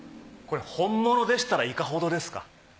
これ本物でしたらいかほどですか？